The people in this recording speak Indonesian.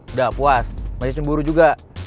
nggak puas masih cemburu juga